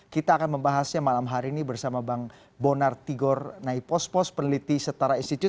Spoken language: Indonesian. kita akan membahasnya malam hari ini bersama bang bonar tigor naipospos peneliti setara institute